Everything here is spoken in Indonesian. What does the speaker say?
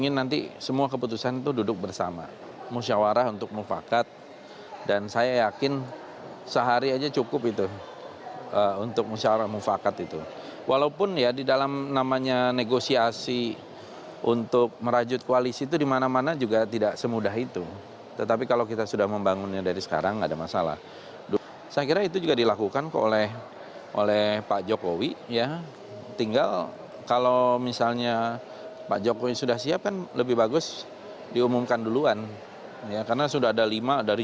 gerindra menurut fadli keputusan ini juga tergantung pada hasil musyawarah partai koalisi